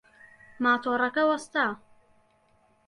ماتۆڕەکە وەستا.